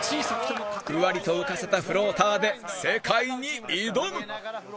ふわりと浮かせたフローターで世界に挑む！